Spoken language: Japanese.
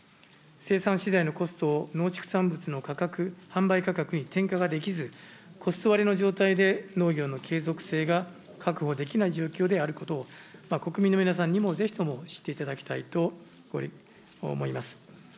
生産資材のコストを、農畜産物の販売価格に転嫁ができず、コスト割れの状態で農業の継続性が確保できない状況であることを、国民の皆さんにもぜひとも知っていただきたいと思います。